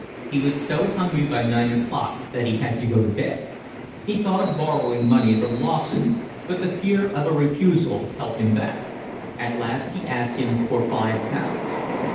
He was so hungry by nine o'clock that he had to go to bed. He thought of borrowing money from Lawson, but the fear of a refusal held him back; at last he asked him for five pounds.